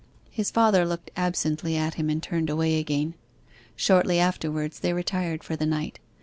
His father looked absently at him and turned away again. Shortly afterwards they retired for the night.